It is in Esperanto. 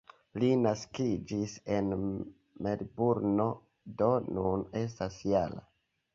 Li naskiĝis en Melburno, do nun estas -jara.